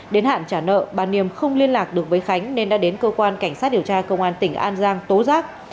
đến hạn trả nợ bà niềm không liên lạc được với khánh nên đã đến cơ quan cảnh sát điều tra công an tỉnh an giang tố giác